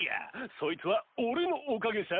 そいつはオレのおかげさ！